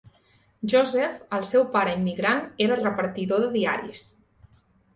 Joseph, el seu pare immigrant, era repartidor de diaris.